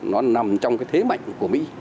nó nằm trong thế mạnh của mỹ